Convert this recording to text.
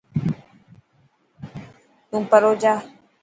تون ڪرو جا.